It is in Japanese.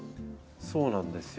そうなんですよ。